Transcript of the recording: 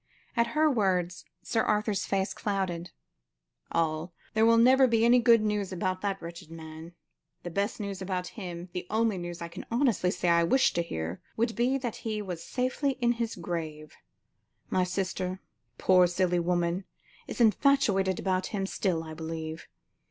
At her words, Sir Arthur's face clouded. "All! there will never be any good news about that wretched man. The best news about him, the only news I can honestly say I wish to hear, would be that he was safely in his grave. My sister, poor silly woman, is infatuated about him still, I believe.